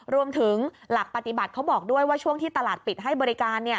หลักปฏิบัติเขาบอกด้วยว่าช่วงที่ตลาดปิดให้บริการ